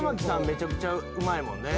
めちゃくちゃうまいもんね。